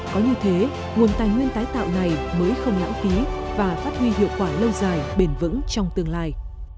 có như thế nguồn tài nguyên tái tạo này mới không lãng phí và phát huy hiệu quả lâu dài bền vững trong tương lai